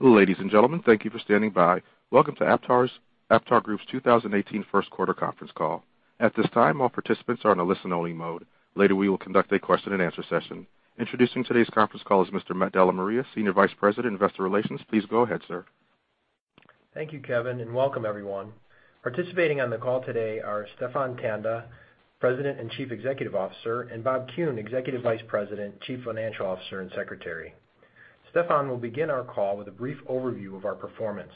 Ladies and gentlemen, thank you for standing by. Welcome to AptarGroup's 2018 first quarter conference call. At this time, all participants are in a listen-only mode. Later, we will conduct a question and answer session. Introducing today's conference call is Mr. Matt DellaMaria, Senior Vice President, Investor Relations. Please go ahead, sir. Thank you, Kevin. Welcome everyone. Participating on the call today are Stephan Tanda, President and Chief Executive Officer, and Bob Kuhn, Executive Vice President, Chief Financial Officer, and Secretary. Stephan will begin our call with a brief overview of our performance.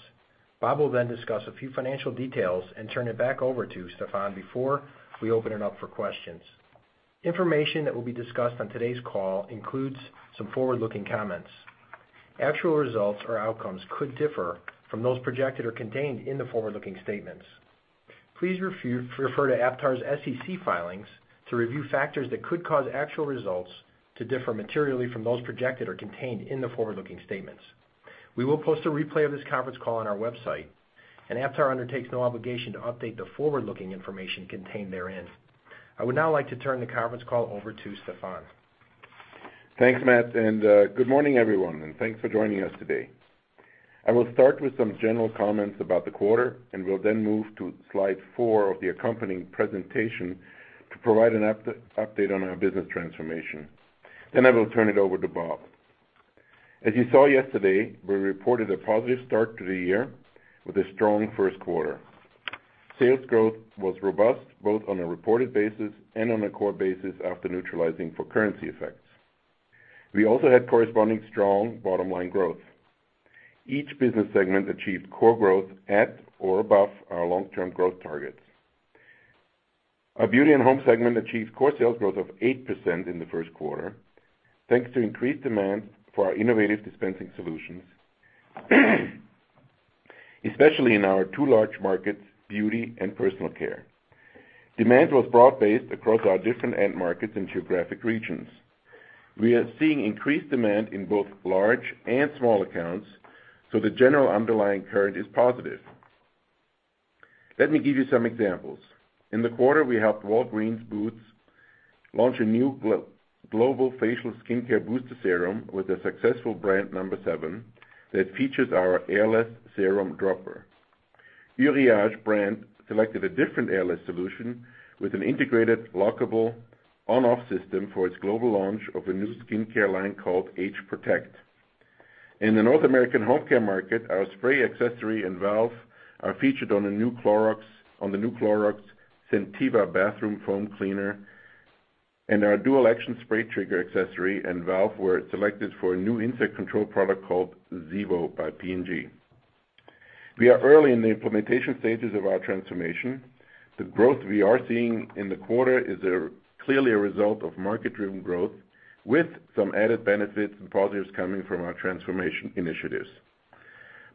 Bob will then discuss a few financial details and turn it back over to Stephan before we open it up for questions. Information that will be discussed on today's call includes some forward-looking comments. Actual results or outcomes could differ from those projected or contained in the forward-looking statements. Please refer to Aptar's SEC filings to review factors that could cause actual results to differ materially from those projected or contained in the forward-looking statements. We will post a replay of this conference call on our website, Aptar undertakes no obligation to update the forward-looking information contained therein. I would now like to turn the conference call over to Stephan. Thanks, Matt. Good morning, everyone, thanks for joining us today. I will start with some general comments about the quarter, will then move to Slide Four of the accompanying presentation to provide an update on our business transformation. I will turn it over to Bob. As you saw yesterday, we reported a positive start to the year with a strong first quarter. Sales growth was robust both on a reported basis and on a core basis after neutralizing for currency effects. We also had corresponding strong bottom-line growth. Each business segment achieved core growth at or above our long-term growth targets. Our Beauty + Home segment achieved core sales growth of 8% in the first quarter, thanks to increased demand for our innovative dispensing solutions, especially in our two large markets, beauty and personal care. Demand was broad-based across our different end markets and geographic regions. We are seeing increased demand in both large and small accounts. The general underlying current is positive. Let me give you some examples. In the quarter, we helped Walgreens Boots launch a new global facial skincare booster serum with the successful brand No7 that features our airless serum dropper. Uriage brand selected a different airless solution with an integrated lockable on/off system for its global launch of a new skincare line called Age Protect. In the North American home care market, our spray accessory and valve are featured on the new Clorox Scentiva bathroom foam cleaner, and our dual-action spray trigger accessory and valve were selected for a new insect control product called Zevo by P&G. We are early in the implementation stages of our transformation. The growth we are seeing in the quarter is clearly a result of market-driven growth with some added benefits and positives coming from our transformation initiatives.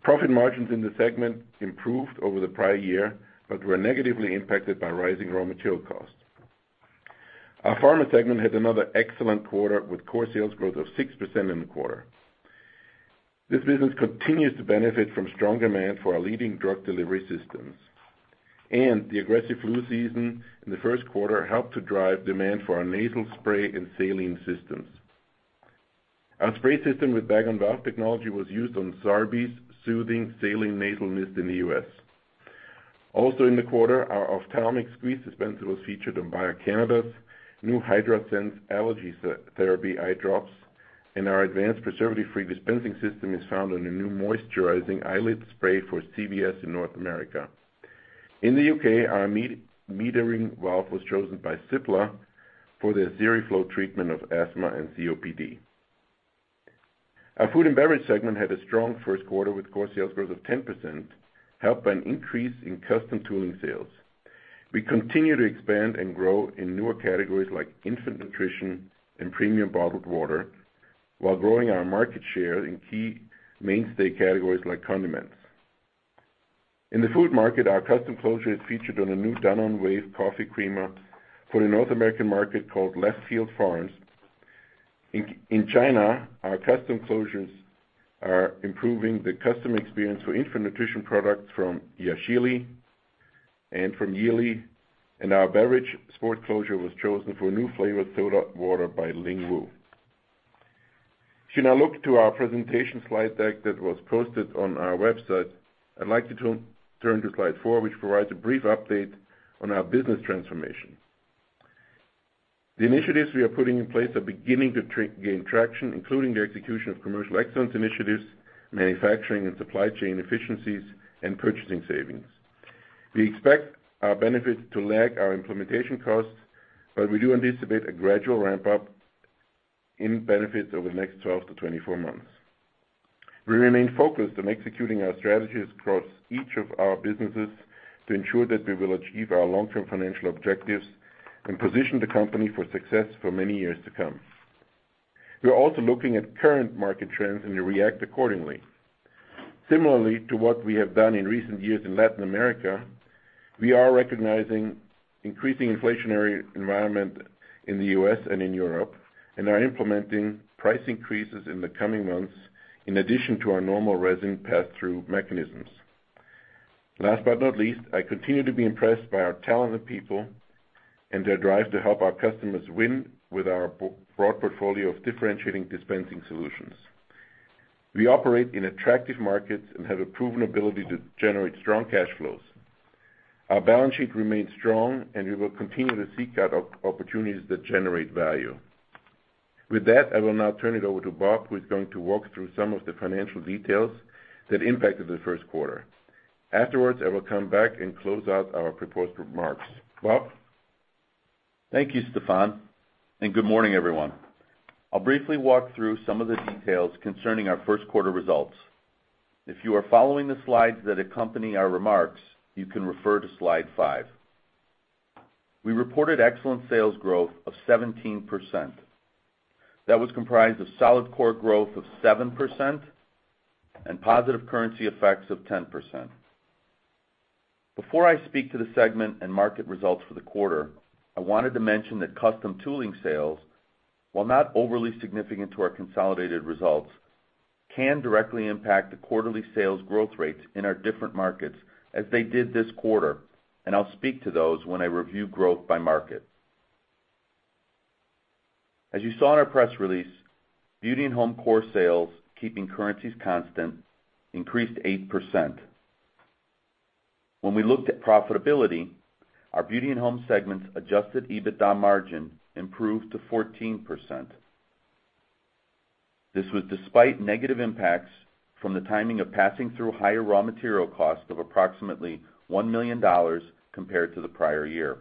Profit margins in the segment improved over the prior year but were negatively impacted by rising raw material costs. Our Pharma segment had another excellent quarter with core sales growth of 6% in the quarter. This business continues to benefit from strong demand for our leading drug delivery systems, and the aggressive flu season in the first quarter helped to drive demand for our nasal spray and saline systems. Our spray system with Bag-on-Valve technology was used on Zarbee's soothing saline nasal mist in the U.S. Also in the quarter, our ophthalmic squeeze dispenser was featured on Bayer Canada's new hydraSense allergy therapy eye drops, and our advanced preservative-free dispensing system is found on a new moisturizing eyelid spray for CVS in North America. In the U.K., our metering valve was chosen by Cipla for their Seroflo treatment of asthma and COPD. Our food and beverage segment had a strong first quarter with core sales growth of 10%, helped by an increase in custom tooling sales. We continue to expand and grow in newer categories like infant nutrition and premium bottled water while growing our market share in key mainstay categories like condiments. In the food market, our custom closure is featured on a new DanoneWave coffee creamer for the North American market called Left Field Farms. In China, our custom closures are improving the custom experience for infant nutrition products from Yashili and from Yili, and our beverage sport closure was chosen for a new flavored soda water by Lingwu. If you now look to our presentation slide deck that was posted on our website, I'd like to turn to Slide Four, which provides a brief update on our business transformation. The initiatives we are putting in place are beginning to gain traction, including the execution of commercial excellence initiatives, manufacturing and supply chain efficiencies, and purchasing savings. We expect our benefits to lag our implementation costs. We do anticipate a gradual ramp-up in benefits over the next 12 to 24 months. We remain focused on executing our strategies across each of our businesses to ensure that we will achieve our long-term financial objectives and position the company for success for many years to come. We are also looking at current market trends and react accordingly. Similarly to what we have done in recent years in Latin America, we are recognizing increasing inflationary environment in the U.S. and in Europe, and are implementing price increases in the coming months in addition to our normal resin pass-through mechanisms. Last but not least, I continue to be impressed by our talented people and their drive to help our customers win with our broad portfolio of differentiating dispensing solutions. We operate in attractive markets and have a proven ability to generate strong cash flows. Our balance sheet remains strong, and we will continue to seek out opportunities that generate value. With that, I will now turn it over to Bob, who's going to walk through some of the financial details that impacted the first quarter. Afterwards, I will come back and close out our proposed remarks. Bob? Thank you, Stephan, and good morning, everyone. I'll briefly walk through some of the details concerning our first quarter results. If you are following the slides that accompany our remarks, you can refer to Slide 5. We reported excellent sales growth of 17%. That was comprised of solid core growth of 7% and positive currency effects of 10%. Before I speak to the segment and market results for the quarter, I wanted to mention that custom tooling sales, while not overly significant to our consolidated results, can directly impact the quarterly sales growth rates in our different markets as they did this quarter, and I'll speak to those when I review growth by market. As you saw in our press release, Beauty + Home core sales, keeping currencies constant, increased 8%. When we looked at profitability, our Beauty + Home segment's adjusted EBITDA margin improved to 14%. This was despite negative impacts from the timing of passing through higher raw material costs of approximately $1 million compared to the prior year.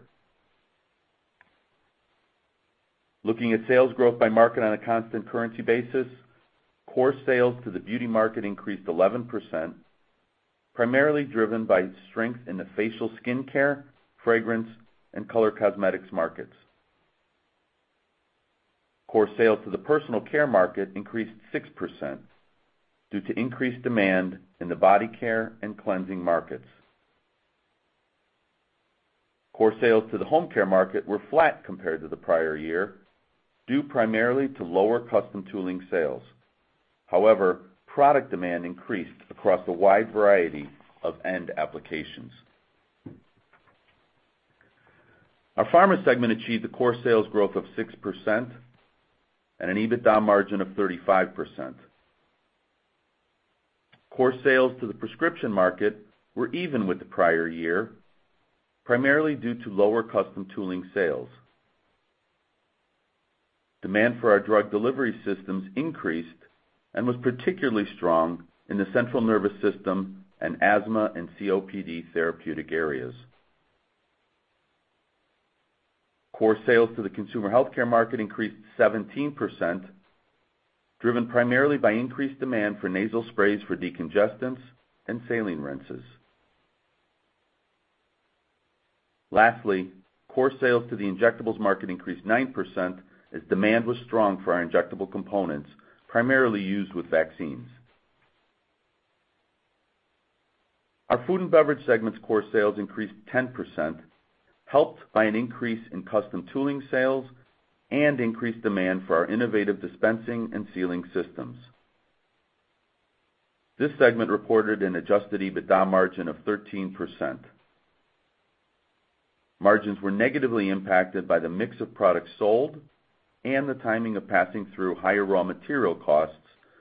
Looking at sales growth by market on a constant currency basis, core sales to the beauty market increased 11%, primarily driven by strength in the facial skincare, fragrance, and color cosmetics markets. Core sales to the personal care market increased 6% due to increased demand in the body care and cleansing markets. Core sales to the home care market were flat compared to the prior year, due primarily to lower custom tooling sales. However, product demand increased across a wide variety of end applications. Our pharma segment achieved a core sales growth of 6% and an EBITDA margin of 35%. Core sales to the prescription market were even with the prior year, primarily due to lower custom tooling sales. Demand for our drug delivery systems increased and was particularly strong in the central nervous system and asthma and COPD therapeutic areas. Demand for our drug delivery systems increased and was particularly strong in the central nervous system and asthma and COPD therapeutic areas. Core sales to the consumer healthcare market increased 17%, driven primarily by increased demand for nasal sprays for decongestants and saline rinses. Lastly, core sales to the injectables market increased 9% as demand was strong for our injectable components, primarily used with vaccines. Our food and beverage segment's core sales increased 10%, helped by an increase in custom tooling sales and increased demand for our innovative dispensing and sealing systems. This segment reported an adjusted EBITDA margin of 13%. Margins were negatively impacted by the mix of products sold and the timing of passing through higher raw material costs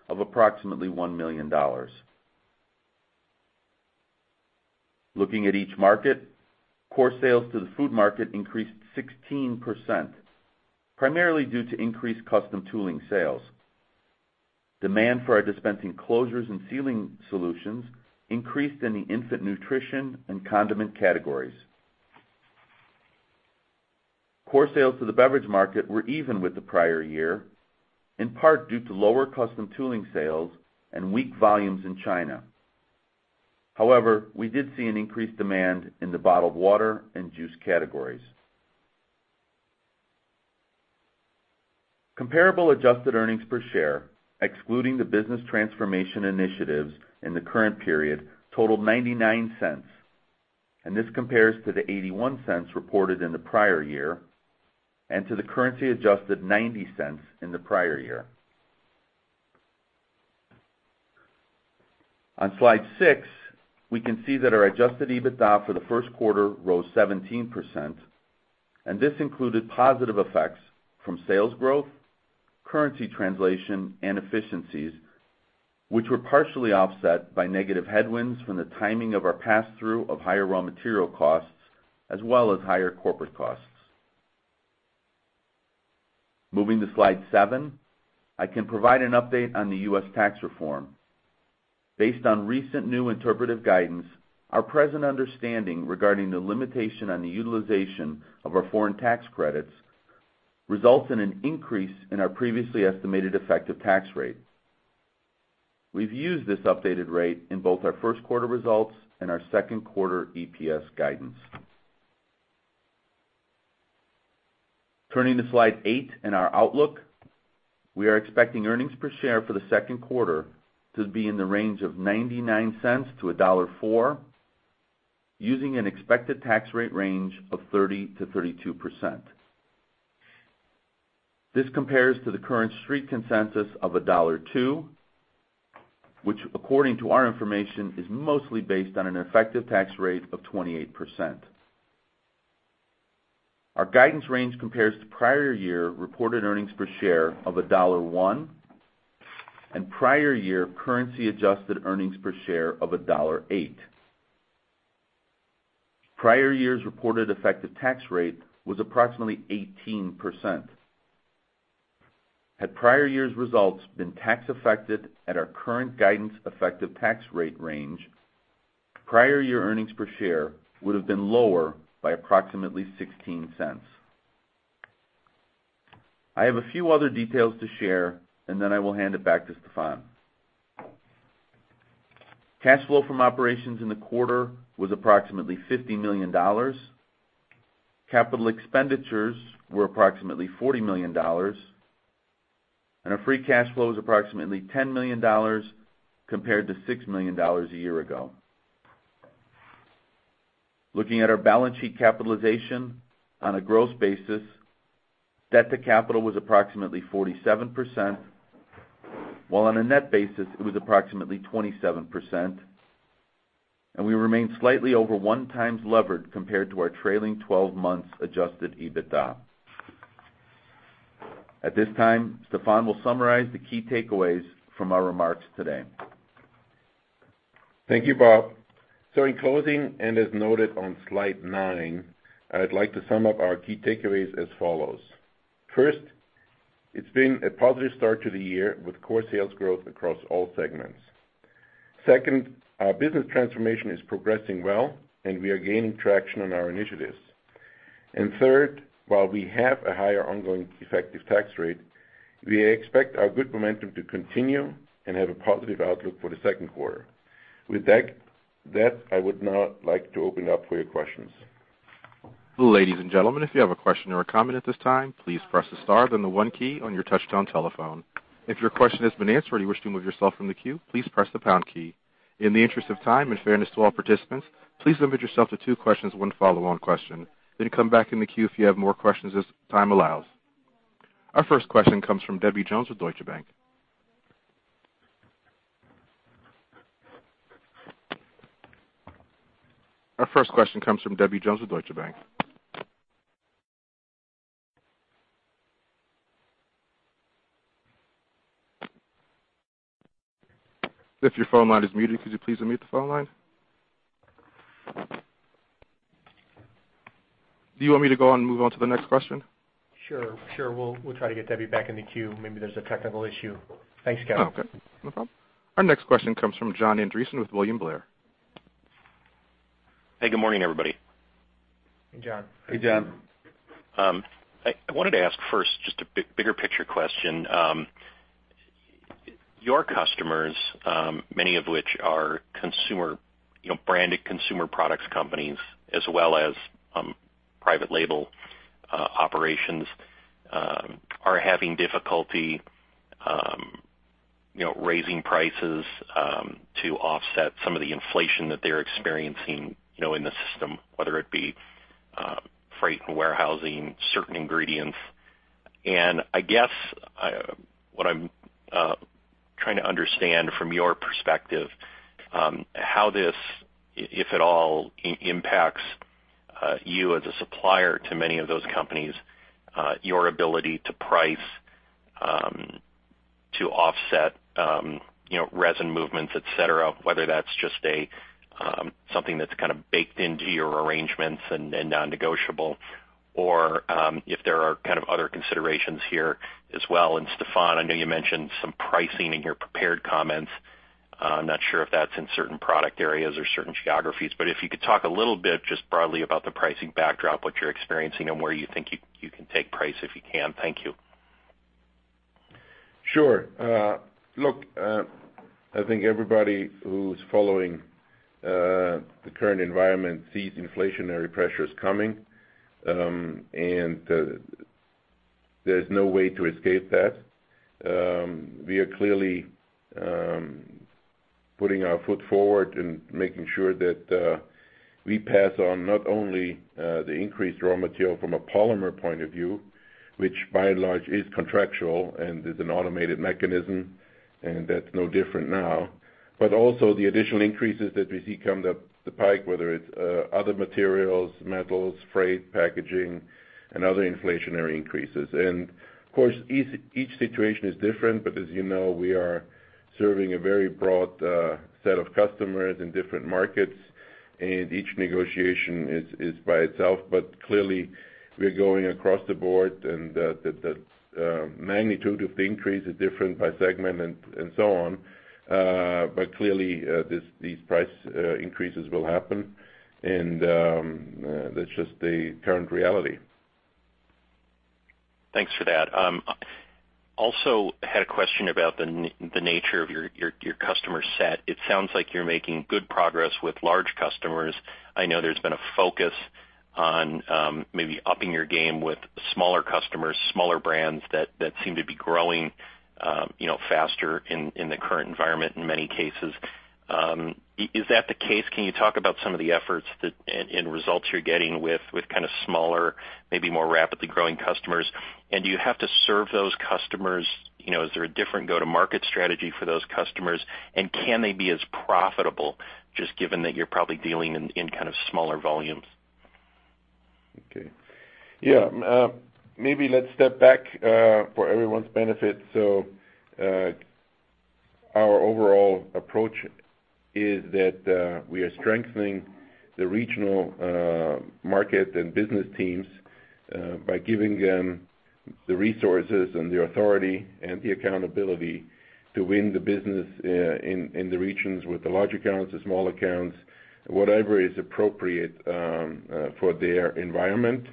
of approximately $1 million. Looking at each market, core sales to the food market increased 16%, primarily due to increased custom tooling sales. Demand for our dispensing closures and sealing solutions increased in the infant nutrition and condiment categories. Core sales to the beverage market were even with the prior year, in part due to lower custom tooling sales and weak volumes in China. We did see an increased demand in the bottled water and juice categories. Comparable adjusted earnings per share, excluding the business transformation initiatives in the current period, totaled $0.99, this compares to the $0.81 reported in the prior year and to the currency adjusted $0.90 in the prior year. On Slide 6, we can see that our adjusted EBITDA for the first quarter rose 17%, this included positive effects from sales growth, currency translation, and efficiencies, which were partially offset by negative headwinds from the timing of our pass-through of higher raw material costs, as well as higher corporate costs. Moving to slide seven, I can provide an update on the U.S. tax reform. Based on recent new interpretive guidance, our present understanding regarding the limitation on the utilization of our foreign tax credits results in an increase in our previously estimated effective tax rate. We've used this updated rate in both our first quarter results and our second quarter EPS guidance. Turning to slide eight and our outlook, we are expecting earnings per share for the second quarter to be in the range of $0.99 to $1.04, using an expected tax rate range of 30%-32%. This compares to the current street consensus of $1.02, which according to our information, is mostly based on an effective tax rate of 28%. Our guidance range compares to prior year reported earnings per share of $1.01 and prior year currency adjusted earnings per share of $1.08. Prior year's reported effective tax rate was approximately 18%. Had prior year's results been tax affected at our current guidance effective tax rate range, prior year earnings per share would've been lower by approximately $0.16. I have a few other details to share, then I will hand it back to Stephan. Cash flow from operations in the quarter was approximately $50 million. Capital expenditures were approximately $40 million. Our free cash flow is approximately $10 million compared to $6 million a year ago. Looking at our balance sheet capitalization on a gross basis, debt to capital was approximately 47%, while on a net basis it was approximately 27%. We remain slightly over one times levered compared to our trailing 12 months adjusted EBITDA. At this time, Stephan will summarize the key takeaways from our remarks today. Thank you, Bob. In closing, as noted on slide nine, I'd like to sum up our key takeaways as follows. First, it's been a positive start to the year with core sales growth across all segments. Second, our business transformation is progressing well, and we are gaining traction on our initiatives. Third, while we have a higher ongoing effective tax rate, we expect our good momentum to continue and have a positive outlook for the second quarter. With that, I would now like to open it up for your questions. Ladies and gentlemen, if you have a question or a comment at this time, please press the star, then the one key on your touchtone telephone. If your question has been answered or you wish to remove yourself from the queue, please press the pound key. In the interest of time and fairness to all participants, please limit yourself to two questions, one follow-on question, then come back in the queue if you have more questions as time allows. Our first question comes from Debbie Jones with Deutsche Bank. Our first question comes from Debbie Jones with Deutsche Bank. If your phone line is muted, could you please unmute the phone line? Do you want me to go on and move on to the next question? Sure. We'll try to get Debbie back in the queue. Maybe there's a technical issue. Thanks, Kevin. Okay. No problem. Our next question comes from Jon Andersen with William Blair. Hey, good morning, everybody. Hey, Jon. Hey, Jon. I wanted to ask first, just a bigger picture question. Your customers, many of which are branded consumer products companies, as well as private label operations, are having difficulty raising prices to offset some of the inflation that they're experiencing in the system, whether it be freight and warehousing, certain ingredients. I guess, what I'm trying to understand from your perspective, how this, if at all, impacts you as a supplier to many of those companies, your ability to price to offset resin movements, et cetera, whether that's just something that's kind of baked into your arrangements and non-negotiable, or if there are kind of other considerations here as well. Stephan, I know you mentioned some pricing in your prepared comments. I'm not sure if that's in certain product areas or certain geographies, if you could talk a little bit just broadly about the pricing backdrop, what you're experiencing, and where you think you can take price if you can. Thank you. Sure. Look, I think everybody who's following the current environment sees inflationary pressures coming, and there's no way to escape that. We are clearly putting our foot forward and making sure that we pass on not only the increased raw material from a polymer point of view, which by and large is contractual and is an automated mechanism, and that's no different now. Also the additional increases that we see come up the pike, whether it's other materials, metals, freight, packaging, and other inflationary increases. Of course, each situation is different, but as you know, we are serving a very broad set of customers in different markets, and each negotiation is by itself. Clearly we are going across the board and the magnitude of the increase is different by segment and so on. Clearly, these price increases will happen and that's just the current reality. Thanks for that. Also had a question about the nature of your customer set. It sounds like you're making good progress with large customers. I know there's been a focus on maybe upping your game with smaller customers, smaller brands that seem to be growing faster in the current environment in many cases. Is that the case? Can you talk about some of the efforts and results you're getting with kind of smaller, maybe more rapidly growing customers? Do you have to serve those customers? Is there a different go-to-market strategy for those customers? Can they be as profitable just given that you're probably dealing in kind of smaller volumes? Okay. Yeah. Maybe let's step back, for everyone's benefit. Our overall approach is that we are strengthening the regional market and business teams by giving them the resources and the authority and the accountability to win the business in the regions with the large accounts, the small accounts, whatever is appropriate for their environment.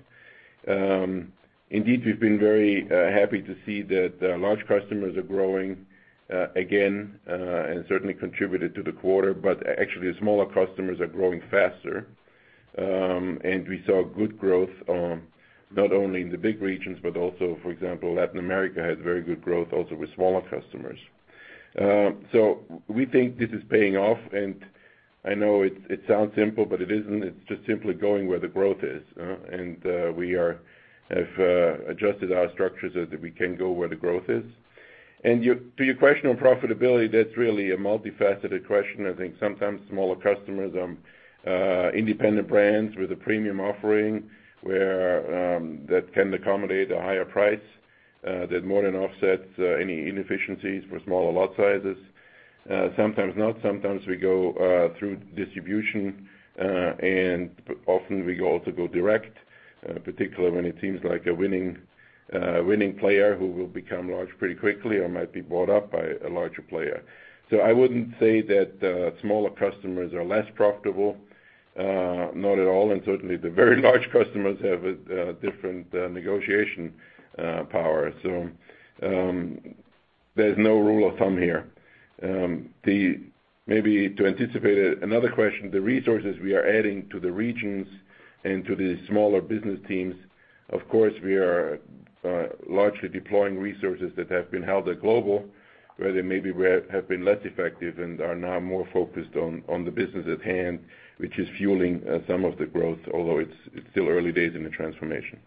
Indeed, we've been very happy to see that large customers are growing again, and certainly contributed to the quarter. Actually, the smaller customers are growing faster. We saw good growth not only in the big regions, but also, for example, Latin America has very good growth also with smaller customers. We think this is paying off, and I know it sounds simple, but it isn't. It's just simply going where the growth is. We have adjusted our structure so that we can go where the growth is. To your question on profitability, that's really a multifaceted question. I think sometimes smaller customers are independent brands with a premium offering, where that can accommodate a higher price that more than offsets any inefficiencies with smaller lot sizes. Sometimes not. Sometimes we go through distribution, and often we also go direct, particularly when it seems like a winning player who will become large pretty quickly or might be bought up by a larger player. I wouldn't say that smaller customers are less profitable. Not at all. Certainly, the very large customers have a different negotiation power. There's no rule of thumb here. Maybe to anticipate another question, the resources we are adding to the regions and to the smaller business teams, of course, we are largely deploying resources that have been held at global, where they maybe have been less effective and are now more focused on the business at hand, which is fueling some of the growth, although it's still early days in the transformation.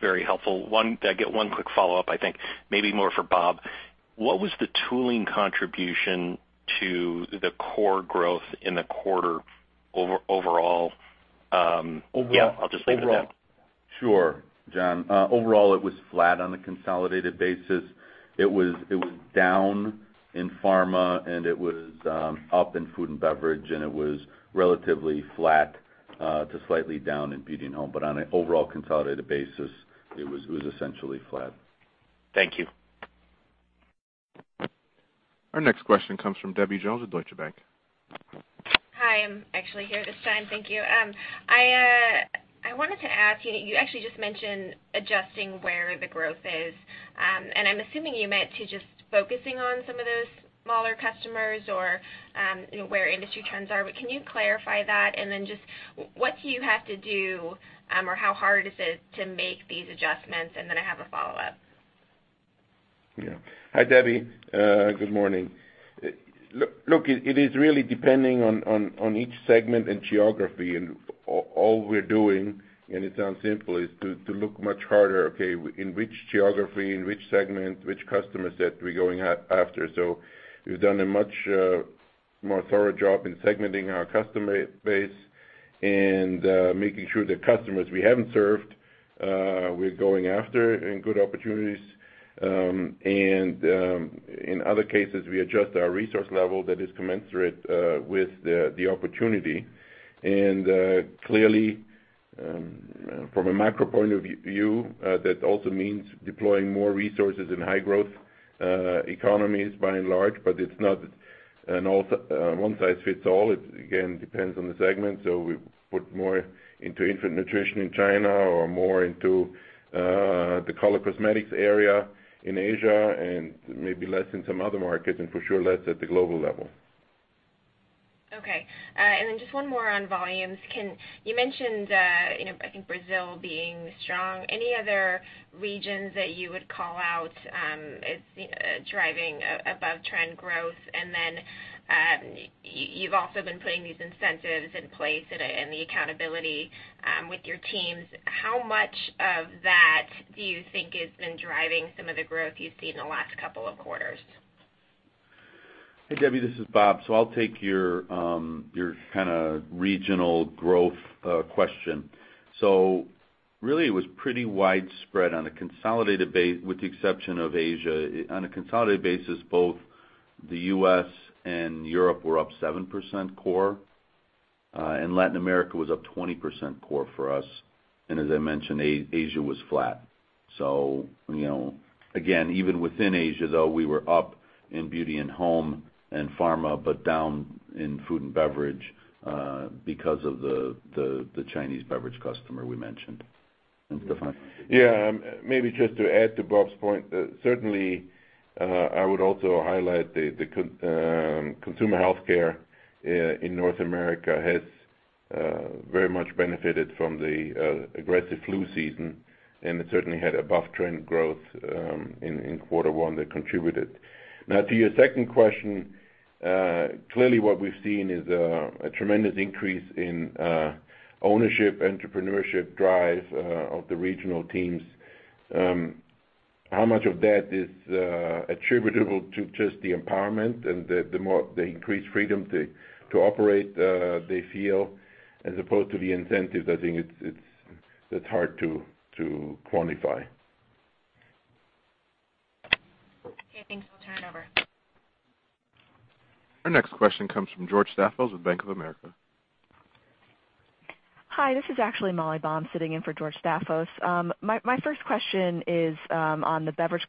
Very helpful. One quick follow-up, I think maybe more for Bob. What was the tooling contribution to the core growth in the quarter overall? Overall. Yeah, I'll just leave it at that. Sure, Jon. Overall, it was flat on a consolidated basis. It was down in pharma, and it was up in food and beverage, and it was relatively flat to slightly down in Beauty + Home. On an overall consolidated basis, it was essentially flat. Thank you. Our next question comes from Debbie Jones with Deutsche Bank. Hi. I'm actually here this time. Thank you. I wanted to ask you actually just mentioned adjusting where the growth is. I'm assuming you meant to just focusing on some of those smaller customers or where industry trends are. Can you clarify that? Then just what do you have to do, or how hard is it to make these adjustments? Then I have a follow-up. Hi, Debbie. Good morning. Look, it is really depending on each segment and geography. All we're doing, and it sounds simple, is to look much harder, okay, in which geography, in which segment, which customer set we're going after. We've done a much more thorough job in segmenting our customer base and making sure the customers we haven't served, we're going after in good opportunities. In other cases, we adjust our resource level that is commensurate with the opportunity. Clearly, from a macro point of view, that also means deploying more resources in high-growth economies by and large. It's not one size fits all. It, again, depends on the segment. We put more into infant nutrition in China or more into the color cosmetics area in Asia and maybe less in some other markets, and for sure, less at the global level. Okay. Just one more on volumes. You mentioned, I think Brazil being strong. Any other regions that you would call out as driving above-trend growth? You've also been putting these incentives in place and the accountability with your teams. How much of that do you think has been driving some of the growth you've seen in the last couple of quarters? Hey, Debbie, this is Bob. I'll take your regional growth question. Really, it was pretty widespread with the exception of Asia. On a consolidated basis, both the U.S. and Europe were up 7% core, Latin America was up 20% core for us. As I mentioned, Asia was flat. Again, even within Asia, though, we were up in Beauty + Home and pharma, but down in food and beverage because of the Chinese beverage customer we mentioned. Stephan? Yeah. Maybe just to add to Bob's point, certainly, I would also highlight the consumer healthcare in North America has very much benefited from the aggressive flu season, and it certainly had above-trend growth in Q1 that contributed. To your second question, clearly what we've seen is a tremendous increase in ownership, entrepreneurship drive of the regional teams. How much of that is attributable to just the empowerment and the increased freedom to operate they feel as opposed to the incentives? I think that's hard to quantify. Okay, thanks. I'll turn it over. Our next question comes from George Staphos with Bank of America. Hi, this is actually Molly Baum sitting in for George Staphos. My first question is on the beverage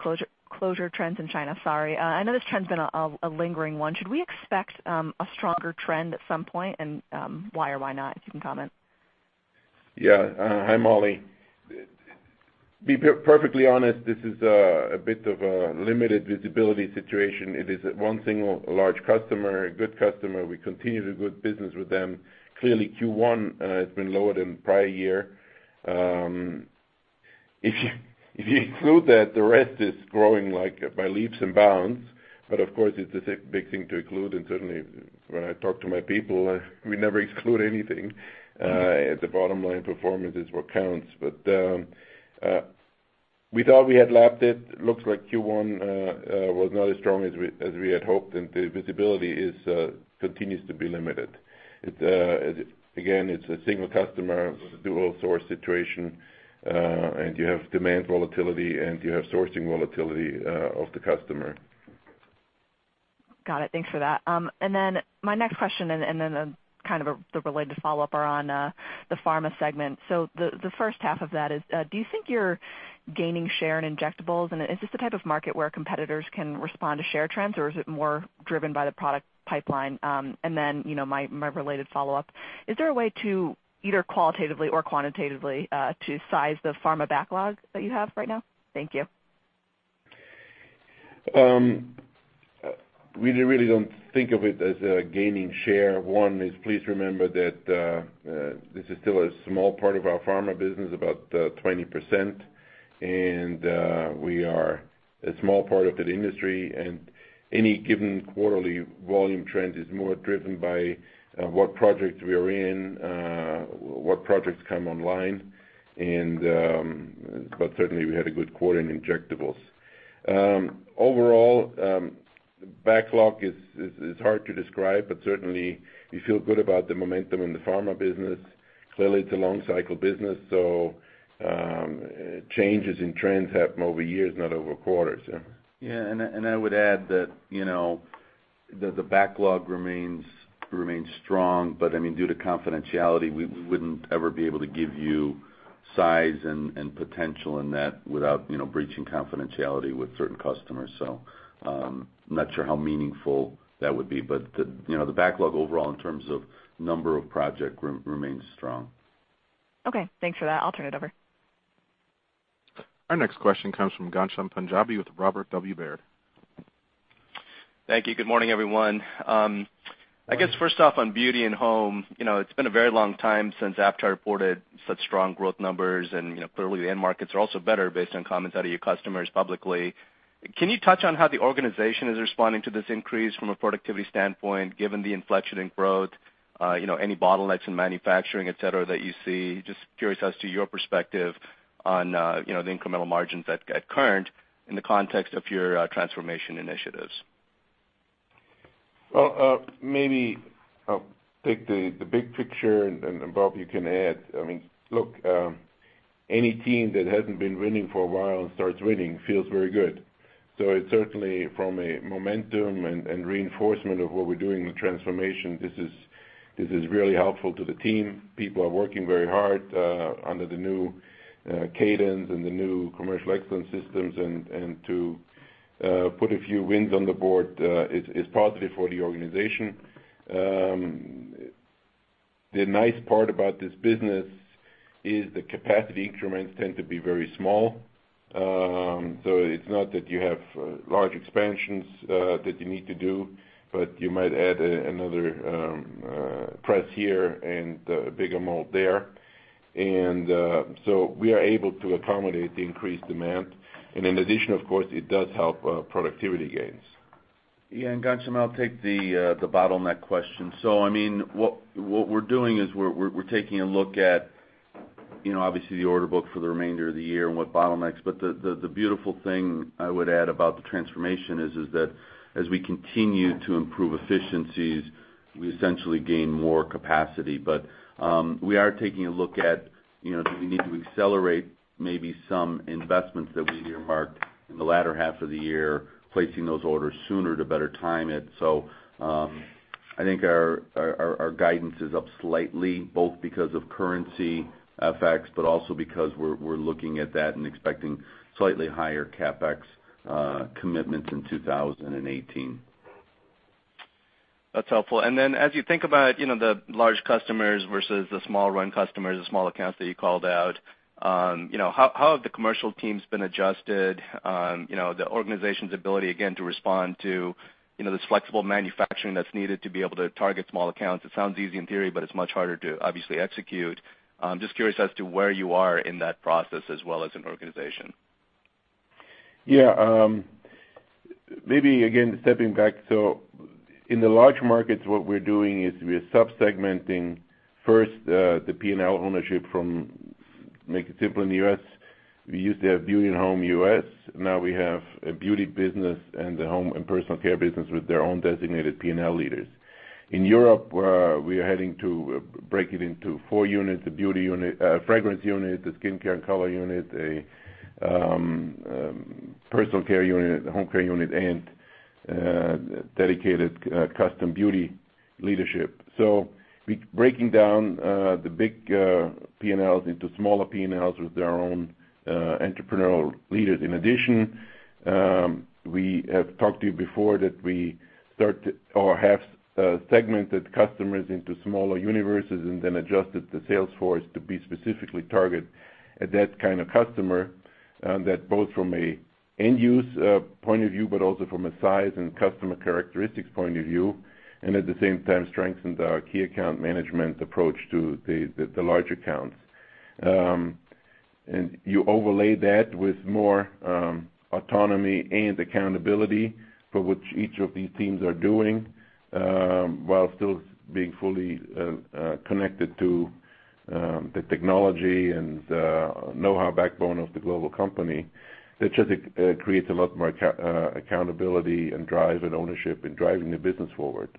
closure trends in China. Sorry. I know this trend's been a lingering one. Should we expect a stronger trend at some point, and why or why not, if you can comment? Yeah. Hi, Molly. To be perfectly honest, this is a bit of a limited visibility situation. It is one single large customer, a good customer. We continue the good business with them. Clearly, Q1 has been lower than the prior year. If you exclude that, the rest is growing by leaps and bounds. Of course, it's a big thing to exclude, and certainly when I talk to my people, we never exclude anything. The bottom line performance is what counts. We thought we had lapped it. It looks like Q1 was not as strong as we had hoped, and the visibility continues to be limited. Again, it's a single customer, dual source situation, and you have demand volatility, and you have sourcing volatility of the customer. Got it. Thanks for that. My next question and then kind of the related follow-up are on the pharma segment. The first half of that is, do you think you're gaining share in injectables? Is this the type of market where competitors can respond to share trends, or is it more driven by the product pipeline? My related follow-up, is there a way to either qualitatively or quantitatively to size the pharma backlog that you have right now? Thank you. We really don't think of it as gaining share. One is, please remember that this is still a small part of our pharma business, about 20%, and we are a small part of that industry, and any given quarterly volume trends is more driven by what projects we are in, what projects come online. Certainly, we had a good quarter in injectables. Overall, backlog is hard to describe, but certainly, we feel good about the momentum in the pharma business. Clearly, it's a long cycle business, so changes in trends happen over years, not over quarters. Yeah, I would add that the backlog remains strong. Due to confidentiality, we wouldn't ever be able to give you size and potential in that without breaching confidentiality with certain customers. I'm not sure how meaningful that would be. The backlog overall in terms of number of projects remains strong. Okay, thanks for that. I'll turn it over. Our next question comes from Ghansham Panjabi with Robert W. Baird. Thank you. Good morning, everyone. I guess first off, on Beauty + Home, it's been a very long time since Aptar reported such strong growth numbers, clearly the end markets are also better based on comments out of your customers publicly. Can you touch on how the organization is responding to this increase from a productivity standpoint, given the inflection in growth, any bottlenecks in manufacturing, et cetera, that you see? Just curious as to your perspective on the incremental margins at current in the context of your transformation initiatives. Well, maybe I'll take the big picture, Bob, you can add. Look, any team that hasn't been winning for a while and starts winning feels very good. Certainly from a momentum and reinforcement of what we're doing with transformation, this is really helpful to the team. People are working very hard under the new cadence and the new commercial excellence systems, to put a few wins on the board is positive for the organization. The nice part about this business is the capacity increments tend to be very small. It's not that you have large expansions that you need to do, you might add another press here and a bigger mold there. We are able to accommodate the increased demand. In addition, of course, it does help productivity gains. Yeah. Ghansham Panjabi, I'll take the bottleneck question. What we're doing is we're taking a look at, obviously, the order book for the remainder of the year and what bottlenecks. The beautiful thing I would add about the transformation is that as we continue to improve efficiencies, we essentially gain more capacity. We are taking a look at do we need to accelerate maybe some investments that we earmarked in the latter half of the year, placing those orders sooner to better time it. I think our guidance is up slightly, both because of currency effects, also because we're looking at that and expecting slightly higher CapEx commitments in 2018. That's helpful. As you think about the large customers versus the small run customers, the small accounts that you called out, how have the commercial teams been adjusted? The organization's ability, again, to respond to this flexible manufacturing that's needed to be able to target small accounts. It sounds easy in theory, it's much harder to obviously execute. I'm just curious as to where you are in that process as well as an organization. Maybe again, stepping back. In the large markets, what we're doing is we're sub-segmenting first the P&L ownership from, make it simple in the U.S., we used to have Beauty + Home U.S., now we have a beauty business and the home and personal care business with their own designated P&L leaders. In Europe, we are heading to break it into four units, a beauty unit, a fragrance unit, a skincare and color unit, a personal care unit, a home care unit, and a dedicated custom beauty leadership. We're breaking down the big P&Ls into smaller P&Ls with their own entrepreneurial leaders. In addition, we have talked to you before that we have segmented customers into smaller universes and then adjusted the sales force to be specifically target at that kind of customer, both from an end use point of view, but also from a size and customer characteristics point of view, and at the same time strengthened our key account management approach to the larger accounts. You overlay that with more autonomy and accountability for which each of these teams are doing, while still being fully connected to the technology and know-how backbone of the global company. It just creates a lot more accountability and drive and ownership in driving the business forward.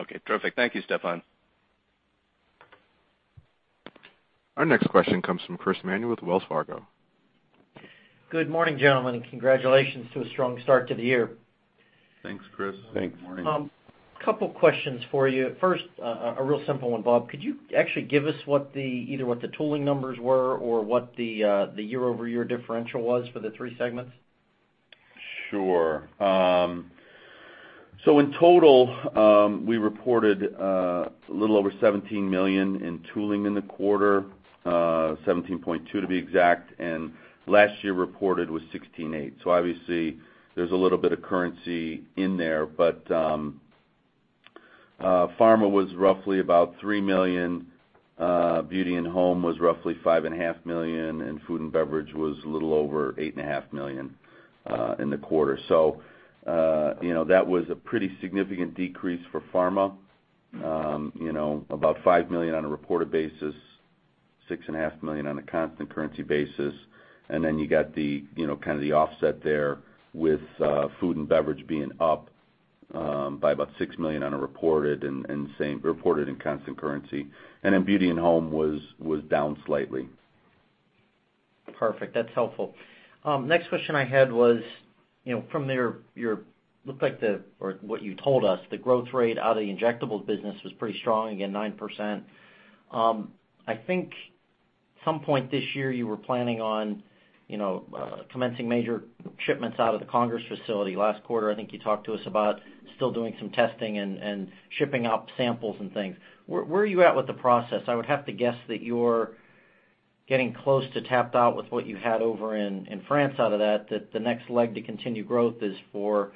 Okay, perfect. Thank you, Stephan. Our next question comes from Christopher Manuel with Wells Fargo. Good morning, gentlemen, and congratulations to a strong start to the year. Thanks, Chris. Thanks. Good morning. Couple questions for you. First, a real simple one, Bob. Could you actually give us either what the tooling numbers were or what the year-over-year differential was for the three segments? Sure. In total, we reported a little over $17 million in tooling in the quarter, $17.2 to be exact, last year reported was $16.8. Obviously, there's a little bit of currency in there, but pharma was roughly about $3 million, Beauty + Home was roughly $5.5 million, and food and beverage was a little over $8.5 million in the quarter. That was a pretty significant decrease for pharma. About $5 million on a reported basis, $6.5 million on a constant currency basis. You got the offset there with food and beverage being up by about $6 million on a reported and constant currency. Beauty + Home was down slightly. Perfect. That's helpful. Next question I had was, from what you told us, the growth rate out of the injectables business was pretty strong, again, 9%. I think some point this year you were planning on commencing major shipments out of the Congers facility. Last quarter, I think you talked to us about still doing some testing and shipping out samples and things. Where are you at with the process? I would have to guess that you're getting close to tapped out with what you had over in France out of that the next leg to continued growth is for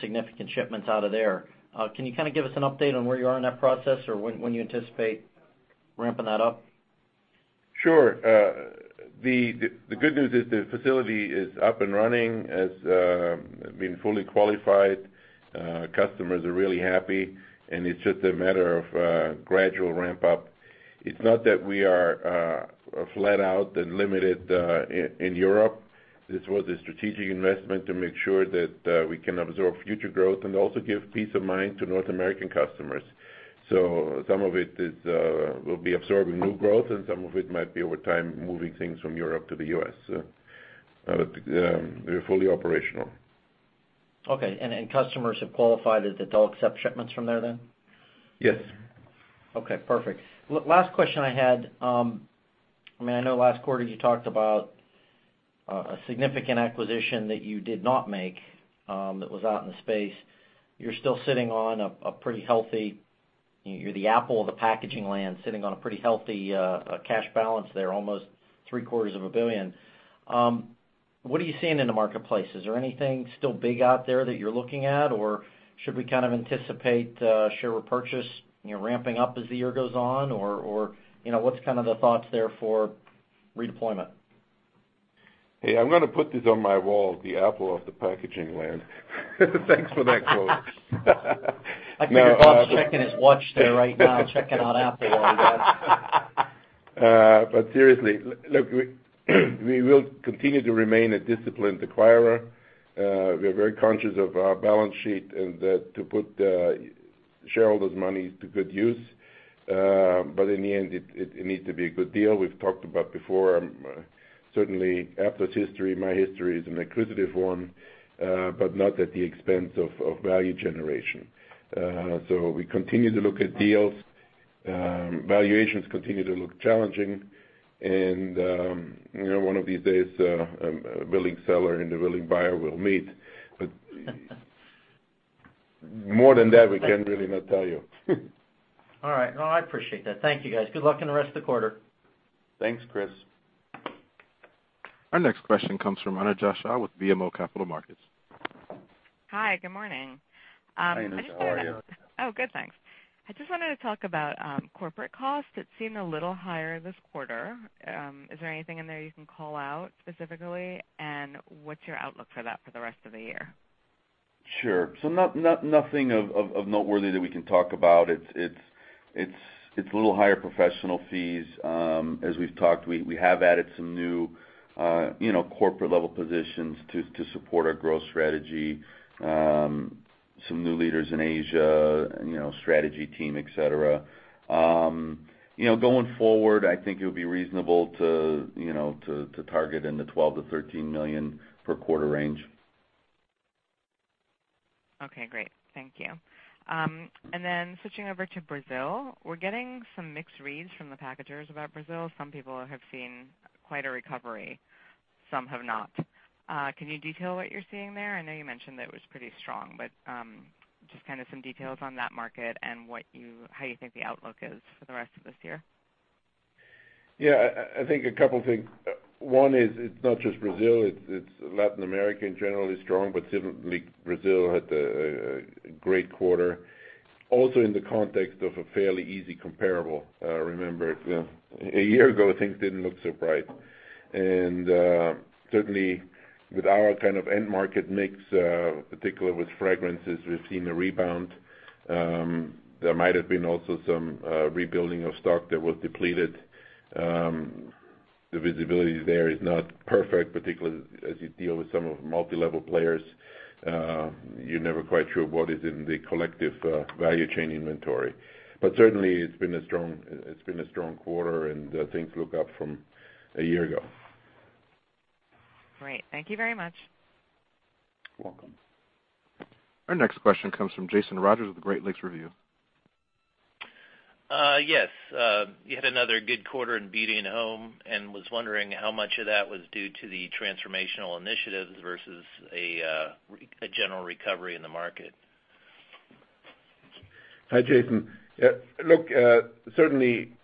significant shipments out of there. Can you give us an update on where you are in that process or when you anticipate ramping that up? Sure. The good news is the facility is up and running. It's been fully qualified. Customers are really happy, and it's just a matter of gradual ramp-up. It's not that we are flat out and limited in Europe. This was a strategic investment to make sure that we can absorb future growth and also give peace of mind to North American customers. Some of it will be absorbing new growth, and some of it might be over time moving things from Europe to the U.S. We are fully operational. Okay, customers have qualified that they'll accept shipments from there then? Yes. Okay, perfect. Last question I had. I know last quarter you talked about a significant acquisition that you did not make that was out in the space. You're still sitting on a pretty healthy-- you're the Apple of the packaging land sitting on a pretty healthy cash balance there, almost three-quarters of a billion. What are you seeing in the marketplace? Is there anything still big out there that you're looking at, or should we anticipate share repurchase ramping up as the year goes on? What's the thoughts there for redeployment? Hey, I'm going to put this on my wall, the Apple of the packaging land. Thanks for that quote. I can hear Bob checking his watch there right now, checking out Apple. Seriously, look, we will continue to remain a disciplined acquirer. We are very conscious of our balance sheet and to put shareholders' money to good use. In the end, it needs to be a good deal. We've talked about before, certainly Aptar's history, my history is an acquisitive one, but not at the expense of value generation. We continue to look at deals. Valuations continue to look challenging. One of these days, a willing seller and a willing buyer will meet. More than that, we can really not tell you. All right. No, I appreciate that. Thank you, guys. Good luck in the rest of the quarter. Thanks, Chris. Our next question comes from Anuj Shah with BMO Capital Markets. Hi, good morning. Hi, Anuj. How are you? Oh, good, thanks. I just wanted to talk about corporate costs. It seemed a little higher this quarter. Is there anything in there you can call out specifically, and what's your outlook for that for the rest of the year? Sure. Nothing noteworthy that we can talk about. It's a little higher professional fees. As we've talked, we have added some new corporate-level positions to support our growth strategy. Some new leaders in Asia, strategy team, et cetera. Going forward, I think it would be reasonable to target in the $12 million-$13 million per quarter range. Okay, great. Thank you. Then switching over to Brazil. We're getting some mixed reads from the packagers about Brazil. Some people have seen quite a recovery, some have not. Can you detail what you're seeing there? I know you mentioned that it was pretty strong, but just some details on that market and how you think the outlook is for the rest of this year. Yeah. I think a couple things. One is, it's not just Brazil, it's Latin America in general is strong, but certainly Brazil had a great quarter. In the context of a fairly easy comparable. Remember, a year ago, things didn't look so bright. Certainly, with our kind of end market mix, particularly with fragrances, we've seen a rebound. There might have been also some rebuilding of stock that was depleted. The visibility there is not perfect, particularly as you deal with some multi-level players. You're never quite sure what is in the collective value chain inventory. Certainly, it's been a strong quarter and things look up from a year ago. Great. Thank you very much. Welcome. Our next question comes from Jason Rogers with Great Lakes Review. Yes. You had another good quarter in Beauty + Home. Was wondering how much of that was due to the transformational initiatives versus a general recovery in the market? Hi, Jason. Look, certainly,